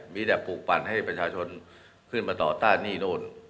มีแต่ปลูกปั่นให้ประชาชนขึ้นมาต่อต้านหนี้โน่น